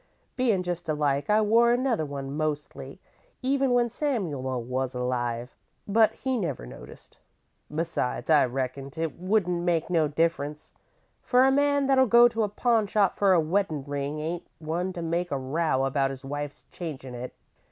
Bein' just alike, I wore another one mostly, even when Samuel was alive, but he never noticed. Besides, I reckon 't wouldn't make no difference, for a man that'll go to a pawn shop for a weddin' ring ain't one to make a row about his wife's changin' it.